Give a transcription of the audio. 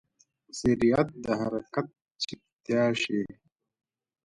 سرعت د حرکت چټکتیا ښيي.